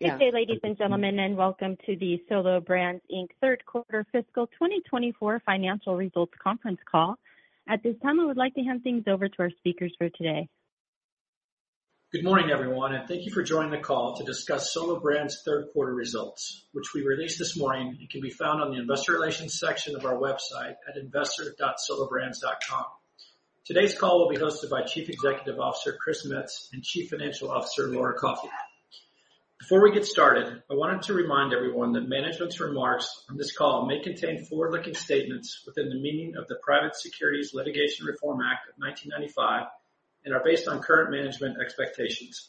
Good day, ladies and gentlemen, and welcome to the Solo Brands, Inc. Third Quarter Fiscal 2024 Financial Results Conference Call. At this time, I would like to hand things over to our speakers for today. Good morning, everyone, and thank you for joining the call to discuss Solo Brands' third quarter results, which we released this morning and can be found on the Investor Relations section of our website at investor.solobrands.com. Today's call will be hosted by Chief Executive Officer Chris Metz and Chief Financial Officer Laura Coffey. Before we get started, I wanted to remind everyone that management's remarks on this call may contain forward-looking statements within the meaning of the Private Securities Litigation Reform Act of 1995 and are based on current management expectations.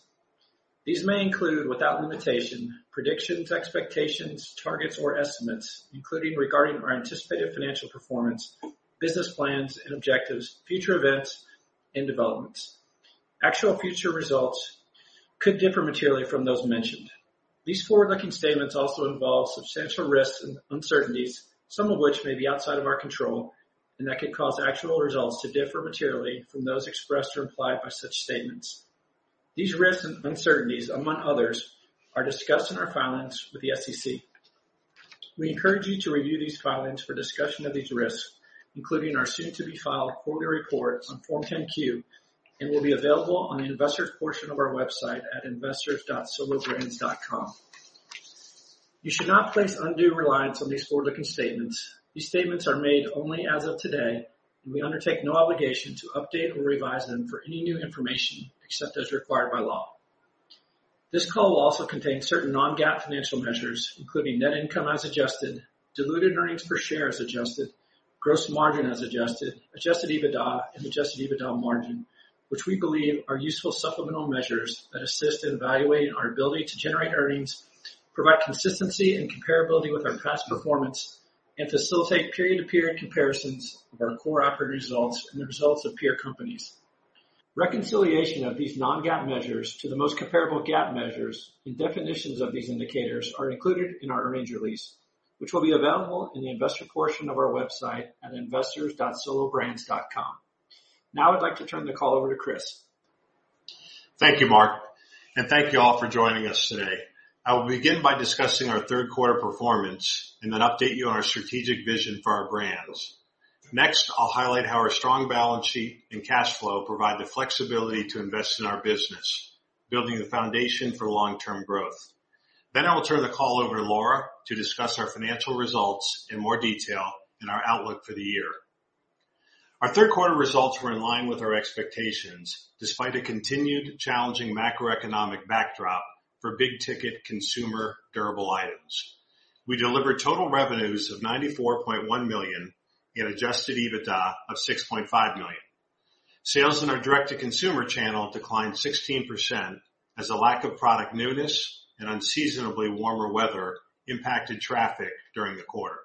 These may include, without limitation, predictions, expectations, targets, or estimates, including regarding our anticipated financial performance, business plans and objectives, future events, and developments. Actual future results could differ materially from those mentioned. These forward-looking statements also involve substantial risks and uncertainties, some of which may be outside of our control, and that could cause actual results to differ materially from those expressed or implied by such statements. These risks and uncertainties, among others, are discussed in our filings with the SEC. We encourage you to review these filings for discussion of these risks, including our soon-to-be-filed quarterly report on Form 10-Q, and will be available on the investors' portion of our website at investors.solobrands.com. You should not place undue reliance on these forward-looking statements. These statements are made only as of today, and we undertake no obligation to update or revise them for any new information except as required by law. This call will also contain certain non-GAAP financial measures, including net income as adjusted, diluted earnings per share as adjusted, gross margin as adjusted, adjusted EBITDA, and adjusted EBITDA margin, which we believe are useful supplemental measures that assist in evaluating our ability to generate earnings, provide consistency and comparability with our past performance, and facilitate period-to-period comparisons of our core operating results and the results of peer companies. Reconciliation of these non-GAAP measures to the most comparable GAAP measures and definitions of these indicators are included in our earnings release, which will be available in the investor portion of our website at investors.solobrands.com. Now I'd like to turn the call over to Chris. Thank you, Mark, and thank you all for joining us today. I will begin by discussing our third quarter performance and then update you on our strategic vision for our brands. Next, I'll highlight how our strong balance sheet and cash flow provide the flexibility to invest in our business, building the foundation for long-term growth. Then I will turn the call over to Laura to discuss our financial results in more detail and our outlook for the year. Our third quarter results were in line with our expectations despite a continued challenging macroeconomic backdrop for big-ticket consumer durable items. We delivered total revenues of $94.1 million and adjusted EBITDA of $6.5 million. Sales in our direct-to-consumer channel declined 16% as a lack of product newness and unseasonably warmer weather impacted traffic during the quarter.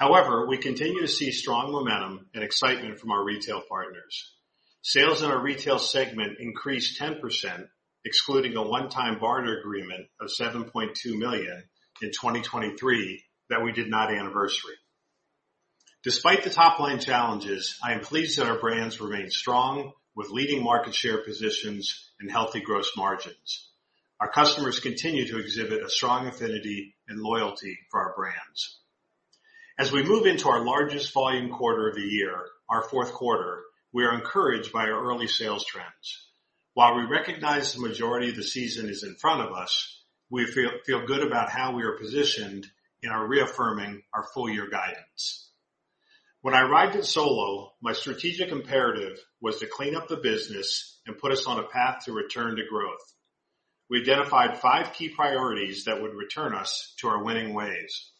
However, we continue to see strong momentum and excitement from our retail partners. Sales in our retail segment increased 10%, excluding a one-time barter agreement of $7.2 million in 2023 that we did not anniversaried. Despite the top-line challenges, I am pleased that our brands remain strong with leading market share positions and healthy gross margins. Our customers continue to exhibit a strong affinity and loyalty for our brands. As we move into our largest volume quarter of the year, our fourth quarter, we are encouraged by our early sales trends. While we recognize the majority of the season is in front of us, we feel good about how we are positioned, in reaffirming our full-year guidance. When I arrived at Solo, my strategic imperative was to clean up the business and put us on a path to return to growth. We identified five key priorities that would return us to our winning ways.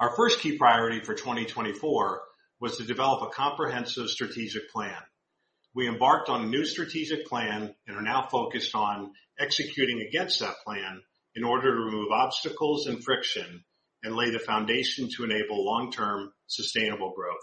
Our first key priority for 2024 was to develop a comprehensive strategic plan. We embarked on a new strategic plan and are now focused on executing against that plan in order to remove obstacles and friction and lay the foundation to enable long-term sustainable growth.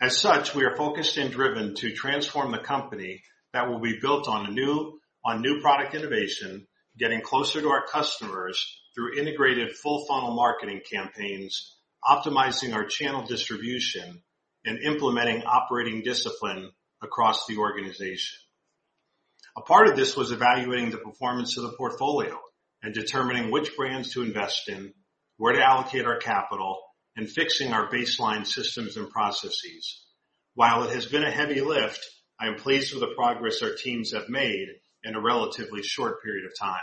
As such, we are focused and driven to transform the company that will be built on new product innovation, getting closer to our customers through integrated full-funnel marketing campaigns, optimizing our channel distribution, and implementing operating discipline across the organization. A part of this was evaluating the performance of the portfolio and determining which brands to invest in, where to allocate our capital, and fixing our baseline systems and processes. While it has been a heavy lift, I am pleased with the progress our teams have made in a relatively short period of time.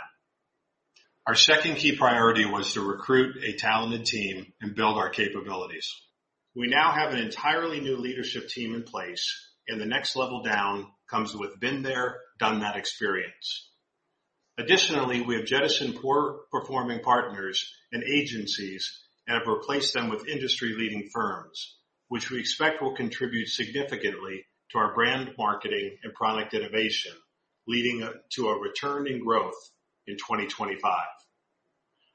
Our second key priority was to recruit a talented team and build our capabilities. We now have an entirely new leadership team in place, and the next level down comes with been there, done that experience. Additionally, we have jettisoned poor-performing partners and agencies and have replaced them with industry-leading firms, which we expect will contribute significantly to our brand marketing and product innovation, leading to a return in growth in 2025.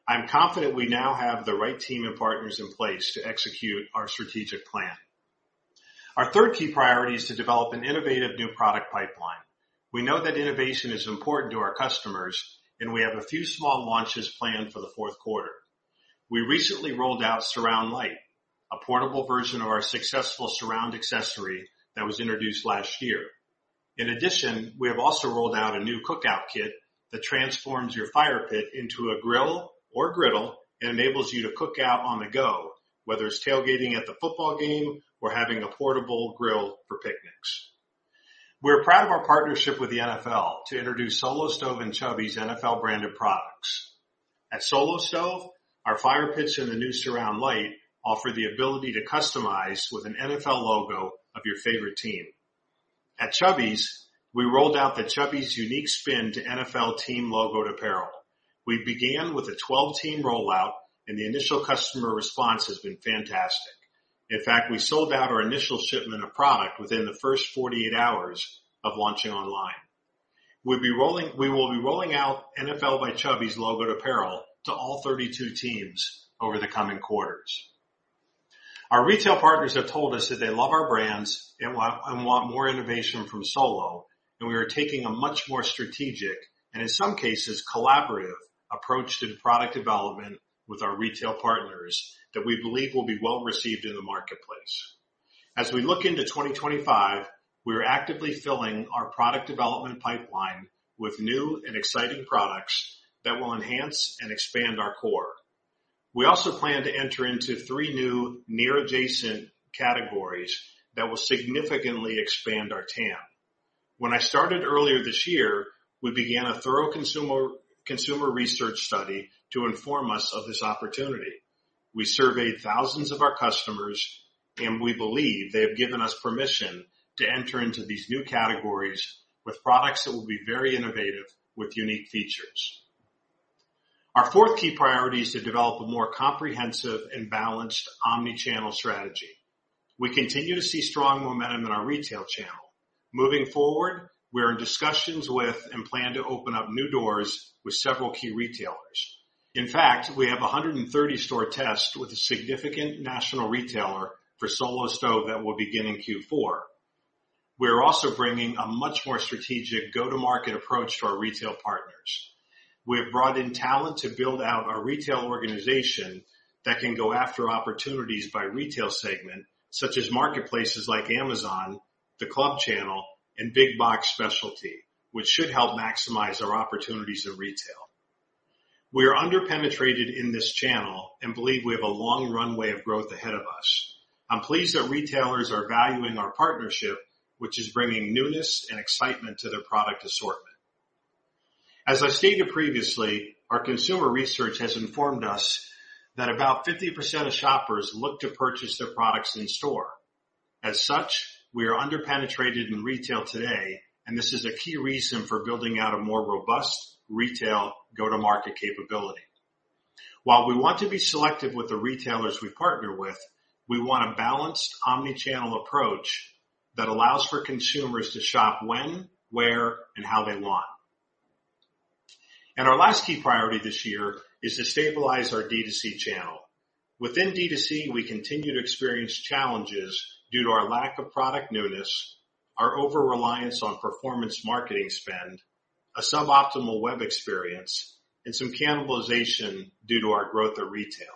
I'm confident we now have the right team and partners in place to execute our strategic plan. Our third key priority is to develop an innovative new product pipeline. We know that innovation is important to our customers, and we have a few small launches planned for the fourth quarter. We recently rolled out Surround Lite, a portable version of our successful Surround accessory that was introduced last year. In addition, we have also rolled out a new Cookout Kit that transforms your fire pit into a grill or griddle and enables you to cook out on the go, whether it's tailgating at the football game or having a portable grill for picnics. We're proud of our partnership with the NFL to introduce Solo Stove and Chubbies NFL-branded products. At Solo Stove, our fire pits and the new Surround Lite offer the ability to customize with an NFL logo of your favorite team. At Chubbies, we rolled out the Chubbies unique spin to NFL team logoed apparel. We began with a 12-team rollout, and the initial customer response has been fantastic. In fact, we sold out our initial shipment of product within the first 48 hours of launching online. We will be rolling out NFL by Chubbies logoed apparel to all 32 teams over the coming quarters. Our retail partners have told us that they love our brands and want more innovation from Solo, and we are taking a much more strategic and, in some cases, collaborative approach to the product development with our retail partners that we believe will be well received in the marketplace. As we look into 2025, we are actively filling our product development pipeline with new and exciting products that will enhance and expand our core. We also plan to enter into three new near-adjacent categories that will significantly expand our TAM. When I started earlier this year, we began a thorough consumer research study to inform us of this opportunity. We surveyed thousands of our customers, and we believe they have given us permission to enter into these new categories with products that will be very innovative with unique features. Our fourth key priority is to develop a more comprehensive and balanced omnichannel strategy. We continue to see strong momentum in our retail channel. Moving forward, we are in discussions with and plan to open up new doors with several key retailers. In fact, we have a 130-store test with a significant national retailer for Solo Stove that will begin in Q4. We are also bringing a much more strategic go-to-market approach to our retail partners. We have brought in talent to build out our retail organization that can go after opportunities by retail segment, such as marketplaces like Amazon, the Club Channel, and Big Box Specialty, which should help maximize our opportunities in retail. We are under-penetrated in this channel and believe we have a long runway of growth ahead of us. I'm pleased that retailers are valuing our partnership, which is bringing newness and excitement to their product assortment. As I stated previously, our consumer research has informed us that about 50% of shoppers look to purchase their products in store. As such, we are under-penetrated in retail today, and this is a key reason for building out a more robust retail go-to-market capability. While we want to be selective with the retailers we partner with, we want a balanced omnichannel approach that allows for consumers to shop when, where, and how they want. And our last key priority this year is to stabilize our D2C channel. Within D2C, we continue to experience challenges due to our lack of product newness, our over-reliance on performance marketing spend, a suboptimal web experience, and some cannibalization due to our growth of retail.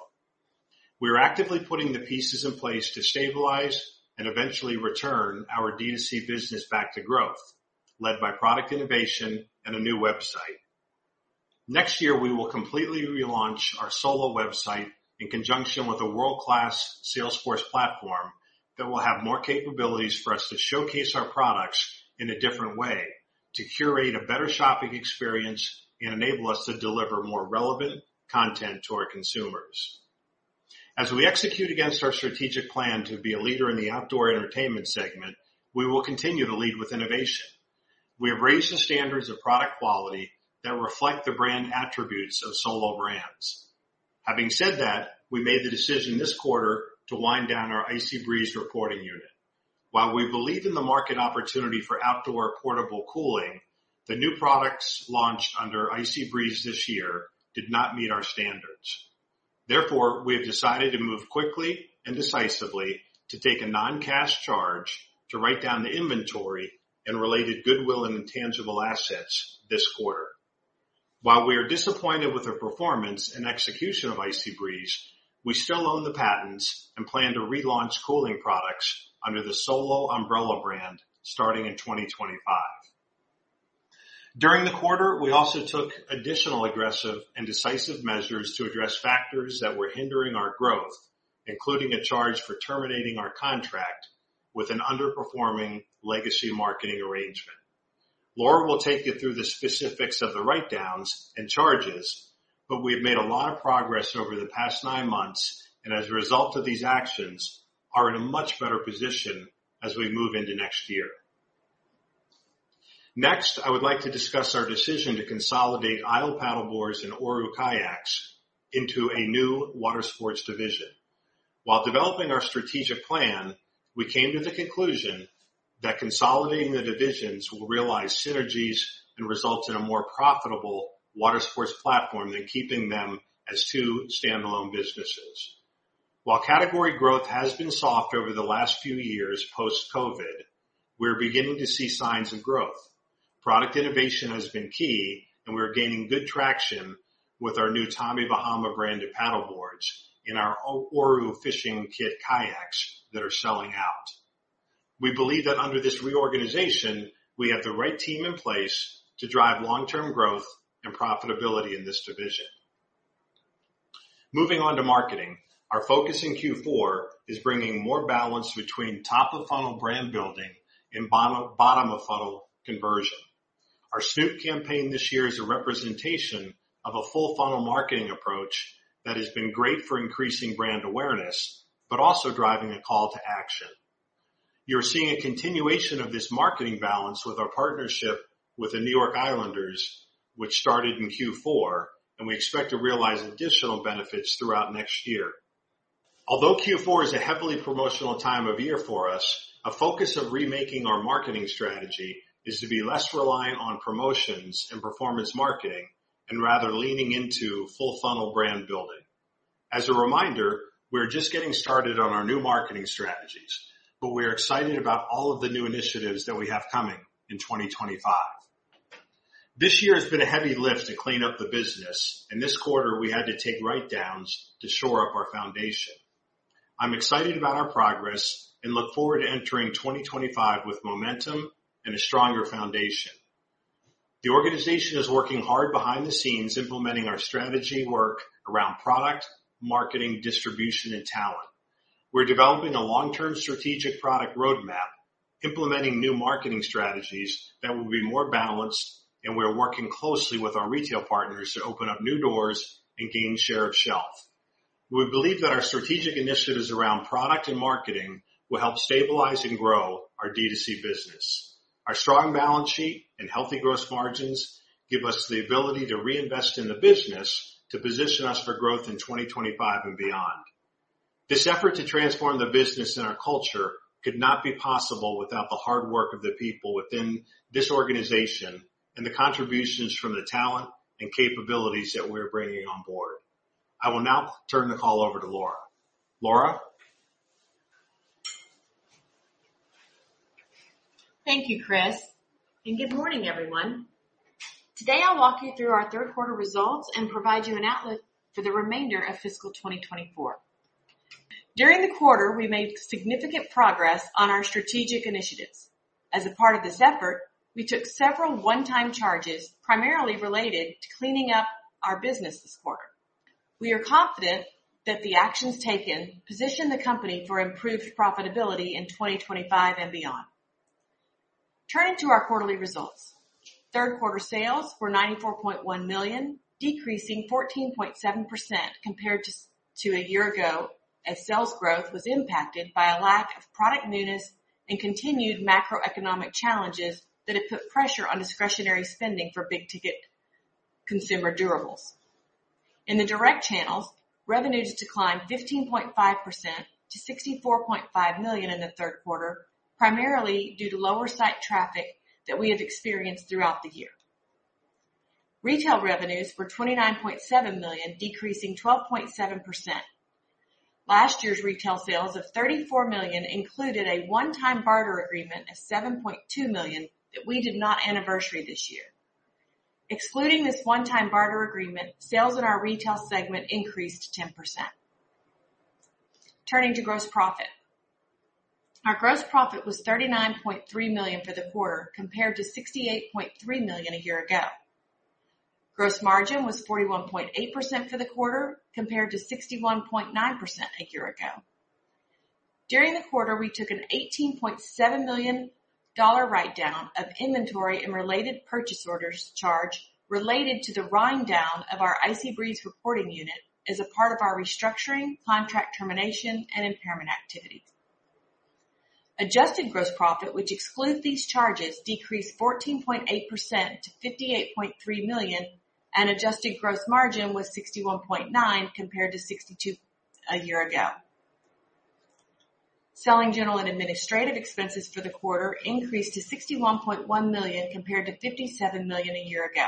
We are actively putting the pieces in place to stabilize and eventually return our D2C business back to growth, led by product innovation and a new website. Next year, we will completely relaunch our Solo website in conjunction with a world-class Salesforce platform that will have more capabilities for us to showcase our products in a different way, to curate a better shopping experience and enable us to deliver more relevant content to our consumers. As we execute against our strategic plan to be a leader in the outdoor entertainment segment, we will continue to lead with innovation. We have raised the standards of product quality that reflect the brand attributes of Solo Brands. Having said that, we made the decision this quarter to wind down our IcyBreeze reporting unit. While we believe in the market opportunity for outdoor portable cooling, the new products launched under IcyBreeze this year did not meet our standards. Therefore, we have decided to move quickly and decisively to take a non-cash charge to write down the inventory and related goodwill and intangible assets this quarter. While we are disappointed with the performance and execution of IcyBreeze, we still own the patents and plan to relaunch cooling products under the Solo umbrella brand starting in 2025. During the quarter, we also took additional aggressive and decisive measures to address factors that were hindering our growth, including a charge for terminating our contract with an underperforming legacy marketing arrangement. Laura will take you through the specifics of the write-downs and charges, but we have made a lot of progress over the past nine months and, as a result of these actions, are in a much better position as we move into next year. Next, I would like to discuss our decision to consolidate ISLE paddleboards and Oru kayaks into a new water sports division. While developing our strategic plan, we came to the conclusion that consolidating the divisions will realize synergies and result in a more profitable water sports platform than keeping them as two standalone businesses. While category growth has been soft over the last few years post-COVID, we are beginning to see signs of growth. Product innovation has been key, and we are gaining good traction with our new Tommy Bahama branded paddleboards and our Oru Fishing Kit kayaks that are selling out. We believe that under this reorganization, we have the right team in place to drive long-term growth and profitability in this division. Moving on to marketing, our focus in Q4 is bringing more balance between top-of-funnel brand building and bottom-of-funnel conversion. Our Snoop campaign this year is a representation of a full-funnel marketing approach that has been great for increasing brand awareness, but also driving a call to action. You're seeing a continuation of this marketing balance with our partnership with the New York Islanders, which started in Q4, and we expect to realize additional benefits throughout next year. Although Q4 is a heavily promotional time of year for us, a focus of remaking our marketing strategy is to be less reliant on promotions and performance marketing and rather leaning into full-funnel brand building. As a reminder, we're just getting started on our new marketing strategies, but we are excited about all of the new initiatives that we have coming in 2025. This year has been a heavy lift to clean up the business, and this quarter, we had to take write-downs to shore up our foundation. I'm excited about our progress and look forward to entering 2025 with momentum and a stronger foundation. The organization is working hard behind the scenes implementing our strategy work around product, marketing, distribution, and talent. We're developing a long-term strategic product roadmap, implementing new marketing strategies that will be more balanced, and we are working closely with our retail partners to open up new doors and gain share of shelf. We believe that our strategic initiatives around product and marketing will help stabilize and grow our D2C business. Our strong balance sheet and healthy gross margins give us the ability to reinvest in the business to position us for growth in 2025 and beyond. This effort to transform the business and our culture could not be possible without the hard work of the people within this organization and the contributions from the talent and capabilities that we are bringing on board. I will now turn the call over to Laura. Laura. Thank you, Chris, and good morning, everyone. Today, I'll walk you through our third-quarter results and provide you an outlook for the remainder of fiscal 2024. During the quarter, we made significant progress on our strategic initiatives. As a part of this effort, we took several one-time charges, primarily related to cleaning up our business this quarter. We are confident that the actions taken position the company for improved profitability in 2025 and beyond. Turning to our quarterly results, third-quarter sales were $94.1 million, decreasing 14.7% compared to a year ago as sales growth was impacted by a lack of product newness and continued macroeconomic challenges that have put pressure on discretionary spending for big-ticket consumer durables. In the direct channels, revenues declined 15.5% to $64.5 million in the third quarter, primarily due to lower site traffic that we have experienced throughout the year. Retail revenues were $29.7 million, decreasing 12.7%. Last year's retail sales of $34 million included a one-time barter agreement of $7.2 million that we did not anniversary this year. Excluding this one-time barter agreement, sales in our retail segment increased 10%. Turning to gross profit. Our gross profit was $39.3 million for the quarter compared to $68.3 million a year ago. Gross margin was 41.8% for the quarter compared to 61.9% a year ago. During the quarter, we took an $18.7 million write-down of inventory and related purchase orders charge related to the wind down of our IcyBreeze reporting unit as a part of our restructuring, contract termination, and impairment activities. Adjusted gross profit, which excludes these charges, decreased 14.8% to $58.3 million, and adjusted gross margin was 61.9% compared to 62% a year ago. Selling general and administrative expenses for the quarter increased to $61.1 million compared to $57 million a year ago.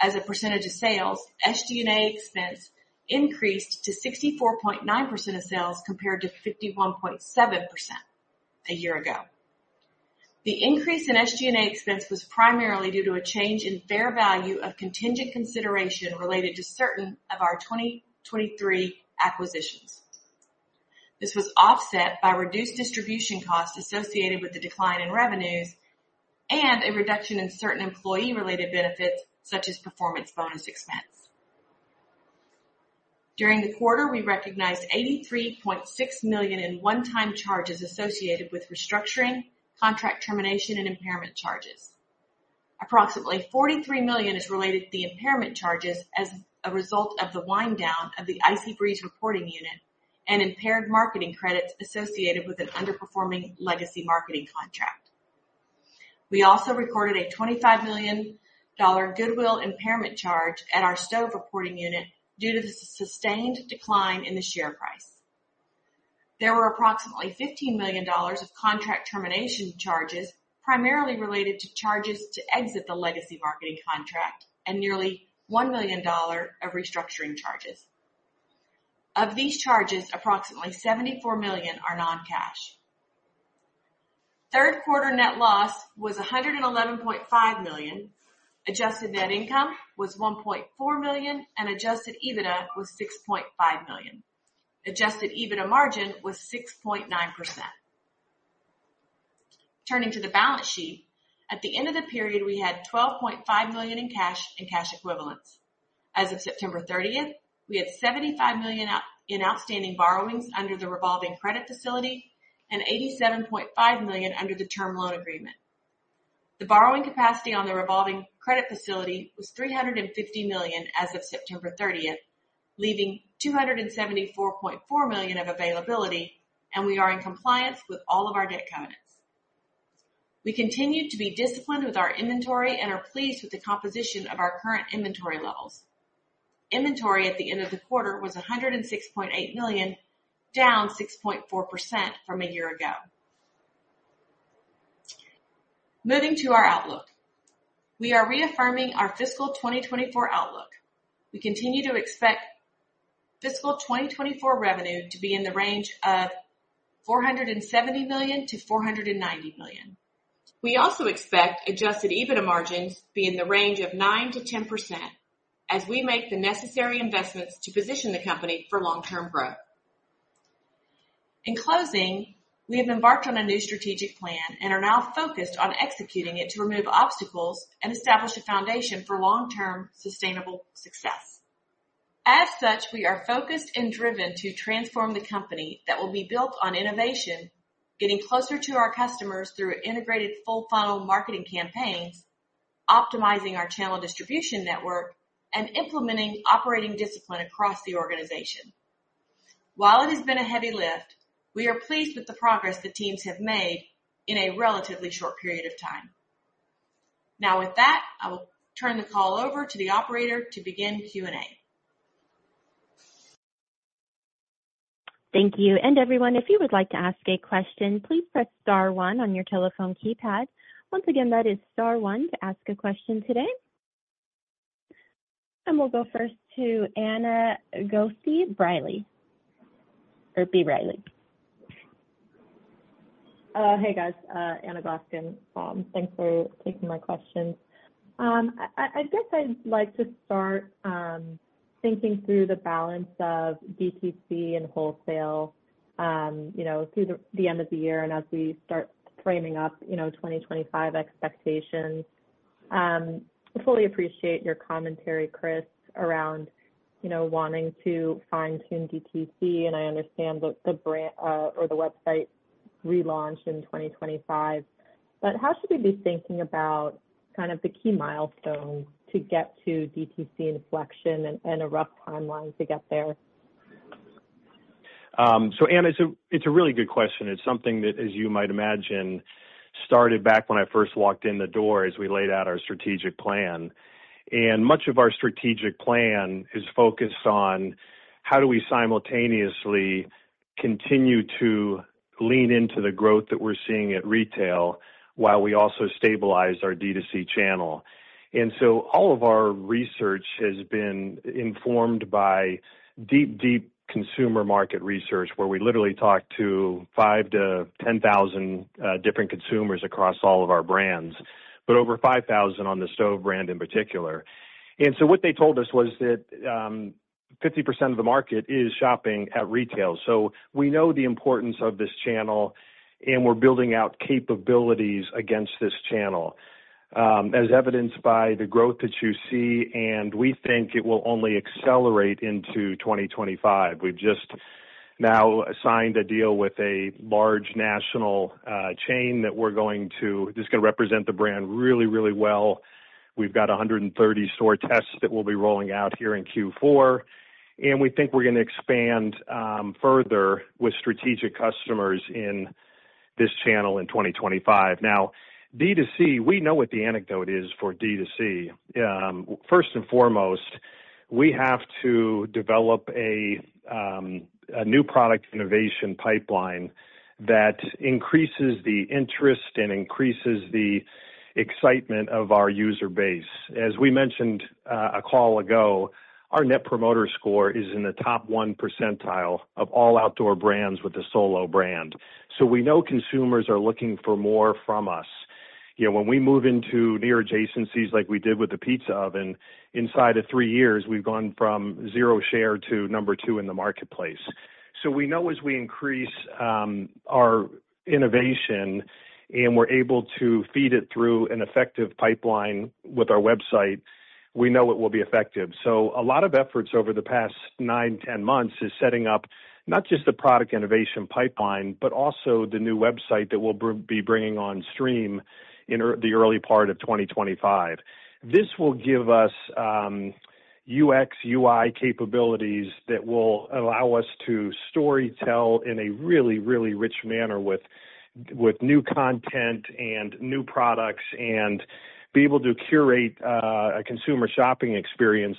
As a percentage of sales, SG&A expense increased to 64.9% of sales compared to 51.7% a year ago. The increase in SG&A expense was primarily due to a change in fair value of contingent consideration related to certain of our 2023 acquisitions. This was offset by reduced distribution costs associated with the decline in revenues and a reduction in certain employee-related benefits, such as performance bonus expense. During the quarter, we recognized $83.6 million in one-time charges associated with restructuring, contract termination, and impairment charges. Approximately $43 million is related to the impairment charges as a result of the wind down of the IcyBreeze reporting unit and impaired marketing credits associated with an underperforming legacy marketing contract. We also recorded a $25 million goodwill impairment charge at our stove reporting unit due to the sustained decline in the share price. There were approximately $15 million of contract termination charges, primarily related to charges to exit the legacy marketing contract, and nearly $1 million of restructuring charges. Of these charges, approximately $74 million are non-cash. Third-quarter net loss was $111.5 million. Adjusted net income was $1.4 million, and adjusted EBITDA was $6.5 million. Adjusted EBITDA margin was 6.9%. Turning to the balance sheet, at the end of the period, we had $12.5 million in cash and cash equivalents. As of September 30th, we had $75 million in outstanding borrowings under the revolving credit facility and $87.5 million under the term loan agreement. The borrowing capacity on the revolving credit facility was $350 million as of September 30th, leaving $274.4 million of availability, and we are in compliance with all of our debt covenants. We continue to be disciplined with our inventory and are pleased with the composition of our current inventory levels. Inventory at the end of the quarter was $106.8 million, down 6.4% from a year ago. Moving to our outlook. We are reaffirming our fiscal 2024 outlook. We continue to expect fiscal 2024 revenue to be in the range of $470 million-$490 million. We also expect Adjusted EBITDA margins to be in the range of 9%-10% as we make the necessary investments to position the company for long-term growth. In closing, we have embarked on a new strategic plan and are now focused on executing it to remove obstacles and establish a foundation for long-term sustainable success. As such, we are focused and driven to transform the company that will be built on innovation, getting closer to our customers through integrated full-funnel marketing campaigns, optimizing our channel distribution network, and implementing operating discipline across the organization. While it has been a heavy lift, we are pleased with the progress the teams have made in a relatively short period of time. Now, with that, I will turn the call over to the operator to begin Q&A. Thank you. And everyone, if you would like to ask a question, please press star one on your telephone keypad. Once again, that is star one to ask a question today. And we'll go first to Anna Glaessgen, or B. Riley. Hey, guys. Anna Glaessgen, thanks for taking my questions. I guess I'd like to start thinking through the balance of DTC and wholesale through the end of the year and as we start framing up 2025 expectations. Fully appreciate your commentary, Chris, around wanting to fine-tune DTC, and I understand the website relaunch in 2025. But how should we be thinking about kind of the key milestones to get to DTC inflection and a rough timeline to get there? So, Anna, it's a really good question. It's something that, as you might imagine, started back when I first walked in the door as we laid out our strategic plan. Much of our strategic plan is focused on how do we simultaneously continue to lean into the growth that we're seeing at retail while we also stabilize our D2C channel. So all of our research has been informed by deep, deep consumer market research where we literally talked to 5,000 to 10,000 different consumers across all of our brands, but over 5,000 on the stove brand in particular. What they told us was that 50% of the market is shopping at retail. We know the importance of this channel, and we're building out capabilities against this channel, as evidenced by the growth that you see, and we think it will only accelerate into 2025. We've just now signed a deal with a large national chain that we're going to represent the brand really, really well. We've got 130 store tests that we'll be rolling out here in Q4, and we think we're going to expand further with strategic customers in this channel in 2025. Now, D2C, we know what the antidote is for D2C. First and foremost, we have to develop a new product innovation pipeline that increases the interest and increases the excitement of our user base. As we mentioned a call ago, our net promoter score is in the top one percentile of all outdoor brands with a Solo Brand. So we know consumers are looking for more from us. When we move into near adjacencies like we did with the pizza oven, inside of three years, we've gone from zero share to number two in the marketplace. We know as we increase our innovation and we're able to feed it through an effective pipeline with our website, we know it will be effective. A lot of efforts over the past nine, 10 months is setting up not just the product innovation pipeline, but also the new website that we'll be bringing on stream in the early part of 2025. This will give us UX, UI capabilities that will allow us to storytell in a really, really rich manner with new content and new products and be able to curate a consumer shopping experience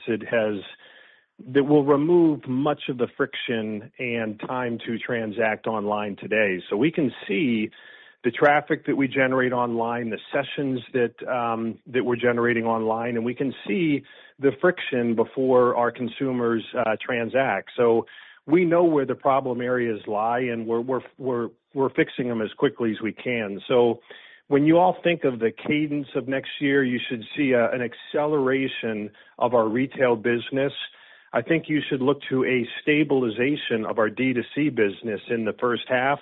that will remove much of the friction and time to transact online today. We can see the traffic that we generate online, the sessions that we're generating online, and we can see the friction before our consumers transact. So we know where the problem areas lie, and we're fixing them as quickly as we can. So when you all think of the cadence of next year, you should see an acceleration of our retail business. I think you should look to a stabilization of our D2C business in the first half.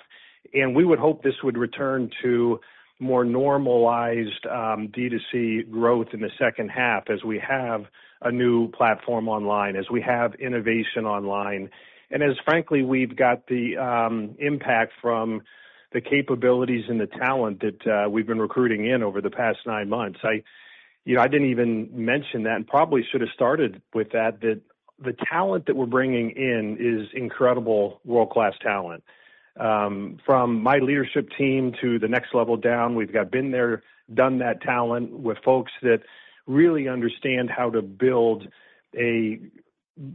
And we would hope this would return to more normalized D2C growth in the second half as we have a new platform online, as we have innovation online. And as frankly, we've got the impact from the capabilities and the talent that we've been recruiting in over the past nine months. I didn't even mention that and probably should have started with that, that the talent that we're bringing in is incredible world-class talent. From my leadership team to the next level down, we've been there, done that talent with folks that really understand how to build a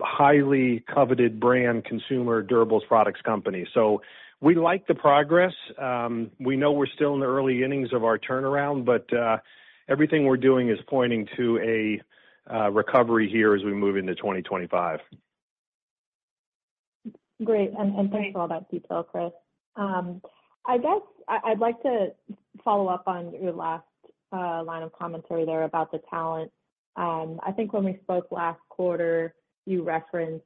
highly coveted brand consumer durables products company. So we like the progress. We know we're still in the early innings of our turnaround, but everything we're doing is pointing to a recovery here as we move into 2025. Great, and thanks for all that detail, Chris. I guess I'd like to follow up on your last line of commentary there about the talent. I think when we spoke last quarter, you referenced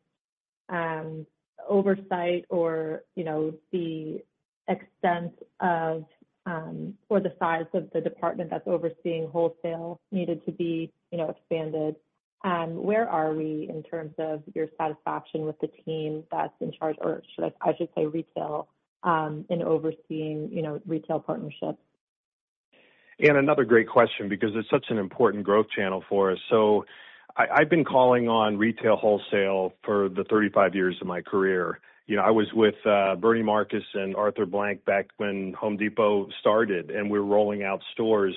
oversight or the extent of or the size of the department that's overseeing wholesale needed to be expanded. Where are we in terms of your satisfaction with the team that's in charge, or I should say retail, in overseeing retail partnerships? And another great question because it's such an important growth channel for us. So I've been calling on retail wholesale for the 35 years of my career. I was with Bernie Marcus and Arthur Blank back when Home Depot started, and we were rolling out stores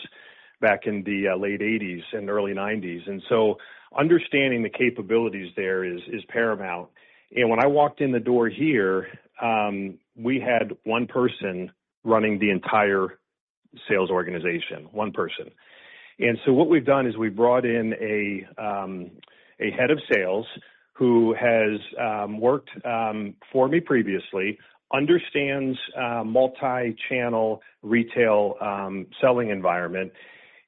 back in the late 1980s and early 1990s, and so understanding the capabilities there is paramount, and when I walked in the door here, we had one person running the entire sales organization, one person. And so what we've done is we brought in a head of sales who has worked for me previously, understands multi-channel retail selling environment,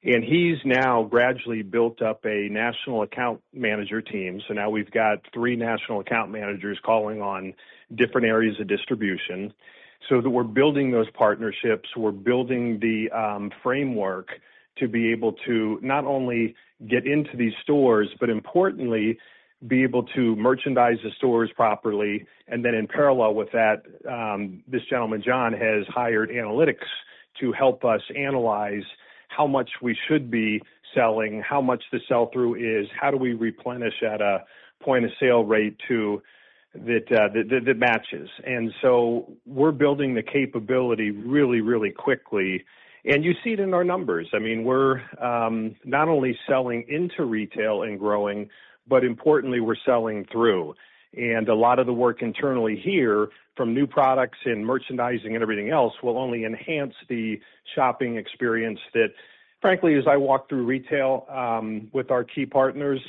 and he's now gradually built up a national account manager team, so now we've got three national account managers calling on different areas of distribution, so we're building those partnerships. We're building the framework to be able to not only get into these stores, but importantly, be able to merchandise the stores properly. Then in parallel with that, this gentleman, John, has hired analysts to help us analyze how much we should be selling, how much the sell-through is, how do we replenish at a point of sale rate that matches. So we're building the capability really, really quickly. You see it in our numbers. I mean, we're not only selling into retail and growing, but importantly, we're selling through. A lot of the work internally here from new products and merchandising and everything else will only enhance the shopping experience that, frankly, as I walk through retail with our key partners,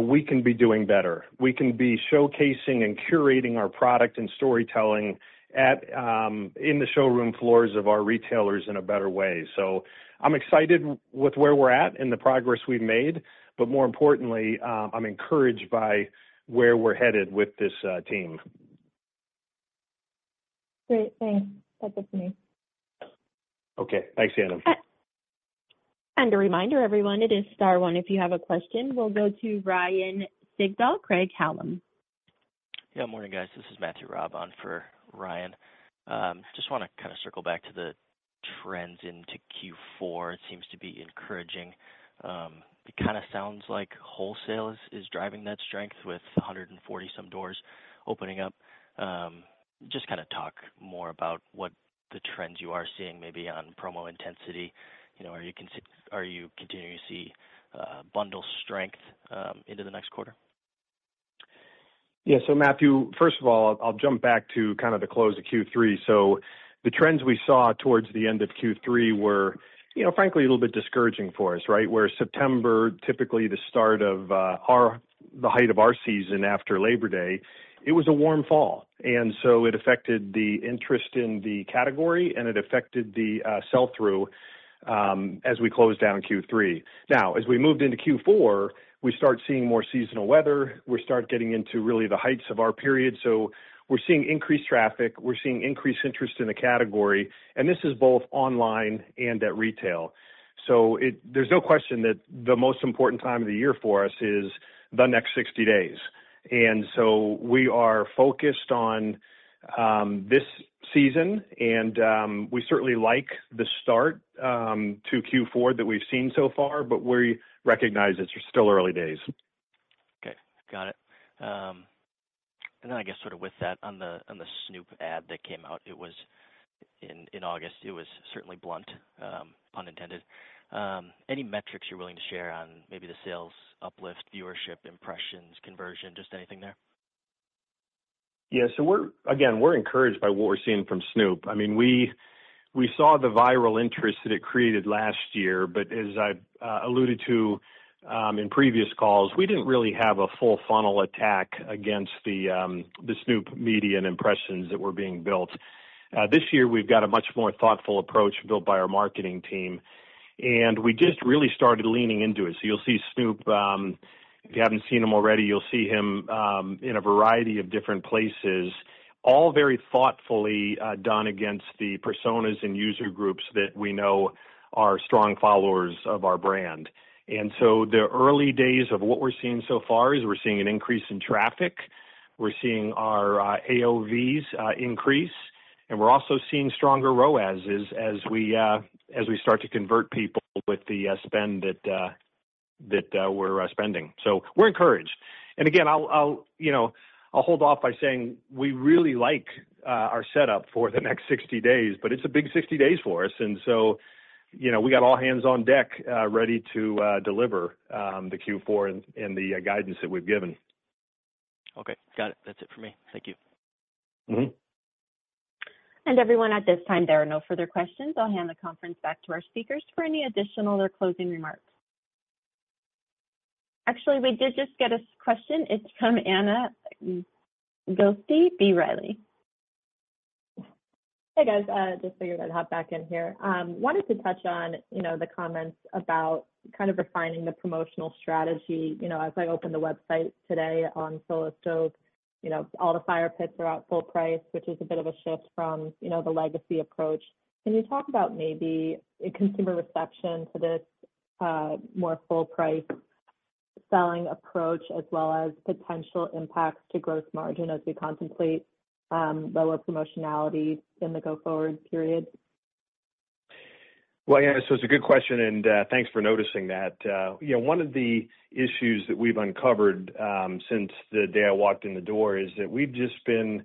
we can be doing better. We can be showcasing and curating our product and storytelling in the showroom floors of our retailers in a better way. So I'm excited with where we're at and the progress we've made, but more importantly, I'm encouraged by where we're headed with this team. Great. Thanks. That's it for me. Okay. Thanks, Anna. And a reminder, everyone, it is star one. If you have a question, we'll go to Ryan Sigdahl, Craig-Hallum. Yeah. Morning, guys. This is Matthew Raab on for Ryan. Just want to kind of circle back to the trends into Q4. It seems to be encouraging. It kind of sounds like wholesale is driving that strength with 140-some doors opening up. Just kind of talk more about what the trends you are seeing maybe on promo intensity. Are you continuing to see bundle strength into the next quarter? Yeah. So, Matthew, first of all, I'll jump back to kind of the close of Q3. So the trends we saw towards the end of Q3 were, frankly, a little bit discouraging for us, right? Where September, typically the start of the height of our season after Labor Day, it was a warm fall. And so it affected the interest in the category, and it affected the sell-through as we closed down Q3. Now, as we moved into Q4, we start seeing more seasonal weather. We start getting into really the heights of our period. So we're seeing increased traffic. We're seeing increased interest in the category. And this is both online and at retail. So there's no question that the most important time of the year for us is the next 60 days. And so we are focused on this season, and we certainly like the start to Q4 that we've seen so far, but we recognize it's still early days. Okay. Got it. And then I guess sort of with that, on the Snoop ad that came out in August, it was certainly blunt, pun intended. Any metrics you're willing to share on maybe the sales uplift, viewership, impressions, conversion, just anything there? Yeah. So again, we're encouraged by what we're seeing from Snoop. I mean, we saw the viral interest that it created last year, but as I alluded to in previous calls, we didn't really have a full funnel attack against the Snoop media and impressions that were being built. This year, we've got a much more thoughtful approach built by our marketing team, and we just really started leaning into it. So you'll see Snoop, if you haven't seen him already, you'll see him in a variety of different places, all very thoughtfully done against the personas and user groups that we know are strong followers of our brand. And so the early days of what we're seeing so far is we're seeing an increase in traffic. We're seeing our AOVs increase, and we're also seeing stronger ROAS as we start to convert people with the spend that we're spending. So we're encouraged. And again, I'll hold off by saying we really like our setup for the next 60 days, but it's a big 60 days for us. And so we got all hands on deck ready to deliver the Q4 and the guidance that we've given. Okay. Got it. That's it for me. Thank you. And everyone, at this time, there are no further questions. I'll hand the conference back to our speakers for any additional or closing remarks. Actually, we did just get a question. It's from Anna Glaessgen, B. Riley. Hey, guys. Just figured I'd hop back in here. Wanted to touch on the comments about kind of refining the promotional strategy. As I opened the website today on Solo Stove, all the fire pits are at full price, which is a bit of a shift from the legacy approach. Can you talk about maybe consumer reception to this more full-price selling approach as well as potential impacts to gross margin as we contemplate lower promotionality in the go-forward period? Well, yeah, so it's a good question, and thanks for noticing that. One of the issues that we've uncovered since the day I walked in the door is that we've just been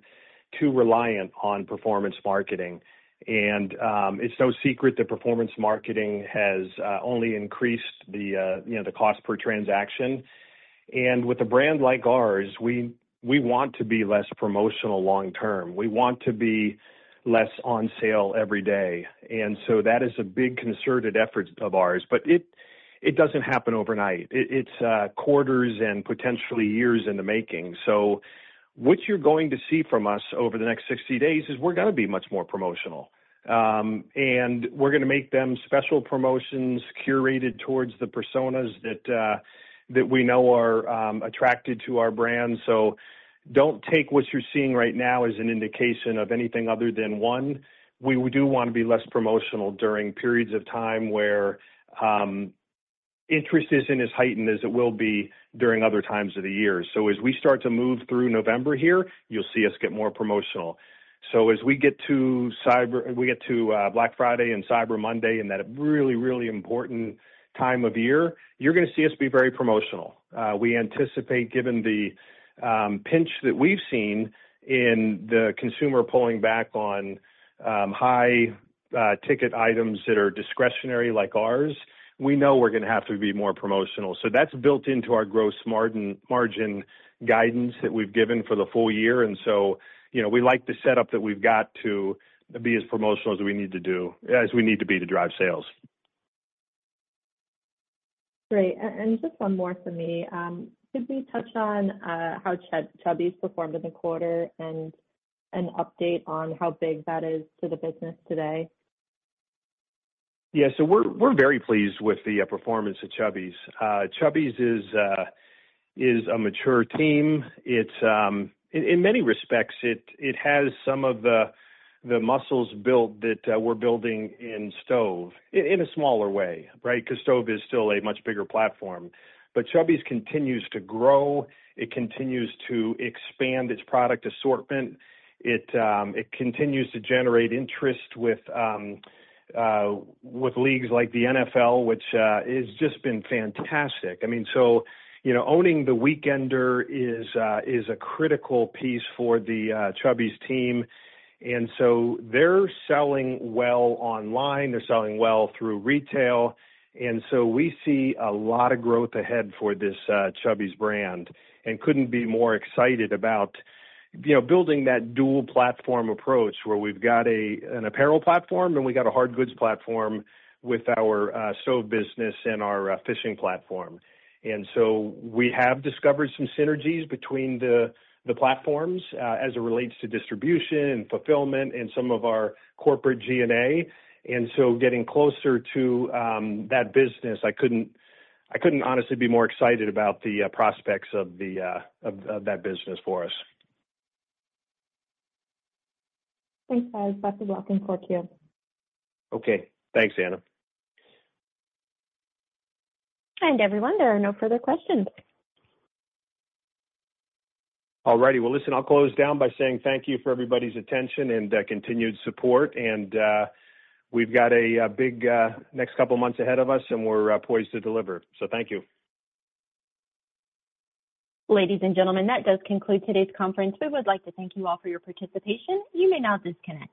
too reliant on performance marketing. And it's no secret that performance marketing has only increased the cost per transaction. And with a brand like ours, we want to be less promotional long-term. We want to be less on sale every day. And so that is a big concerted effort of ours, but it doesn't happen overnight. It's quarters and potentially years in the making. So what you're going to see from us over the next 60 days is we're going to be much more promotional. And we're going to make them special promotions curated towards the personas that we know are attracted to our brand. So don't take what you're seeing right now as an indication of anything other than one. We do want to be less promotional during periods of time where interest isn't as heightened as it will be during other times of the year. So as we start to move through November here, you'll see us get more promotional. So as we get to Cyber, we get to Black Friday and Cyber Monday in that really, really important time of year, you're going to see us be very promotional. We anticipate, given the pinch that we've seen in the consumer pulling back on high-ticket items that are discretionary like ours, we know we're going to have to be more promotional. So that's built into our gross margin guidance that we've given for the full year. And so we like the setup that we've got to be as promotional as we need to do, as we need to be to drive sales. Great. And just one more for me. Could we touch on how Chubbies performed in the quarter and an update on how big that is to the business today? 4 Yeah. So we're very pleased with the performance of Chubbies. Chubbies is a mature team. In many respects, it has some of the muscles built that we're building in Stove in a smaller way, right? Because Stove is still a much bigger platform. But Chubbies continues to grow. It continues to expand its product assortment. It continues to generate interest with leagues like the NFL, which has just been fantastic. I mean, so owning the Weekender is a critical piece for the Chubbies team. And so they're selling well online. They're selling well through retail. And so we see a lot of growth ahead for this Chubbies brand and couldn't be more excited about building that dual-platform approach where we've got an apparel platform and we got a hard goods platform with our stove business and our fishing platform. And so we have discovered some synergies between the platforms as it relates to distribution and fulfillment and some of our corporate G&A. And so, getting closer to that business, I couldn't honestly be more excited about the prospects of that business for us. Thanks, guys. Lots of luck and fortune. Okay. Thanks, Anna. And everyone, there are no further questions. All righty, well, listen, I'll close down by saying thank you for everybody's attention and continued support, and we've got a big next couple of months ahead of us, and we're poised to deliver, so thank you. Ladies and gentlemen, that does conclude today's conference. We would like to thank you all for your participation. You may now disconnect.